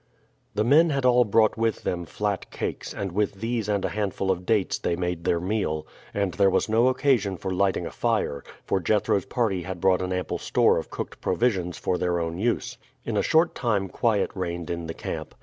The men had all brought with them flat cakes, and with these and a handful of dates they made their meal; and there was no occasion for lighting a fire, for Jethro's party had brought an ample store of cooked provisions for their own use. In a short time quiet reigned in the camp.